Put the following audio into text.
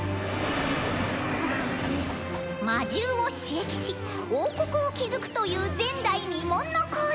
「魔獣を使役し王国を築くという前代未聞の行動！